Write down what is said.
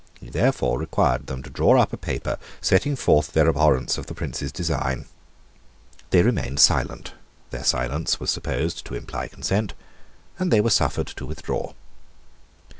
He therefore required them to draw up a paper setting forth their abhorrence of the Prince's design. They remained silent: their silence was supposed to imply consent; and they were suffered to withdraw.